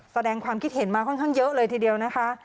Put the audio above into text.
แสดงความคิดเห็นมาค่อนข้างเยอะเลยทีเดียวนะคะ